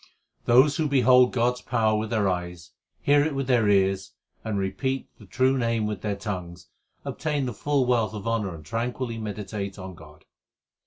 They who behold God s power with their eyes, hear it with their ears, and repeat the true Name with their tongues, Obtain the full wealth of honour and tranquilly meditate on God.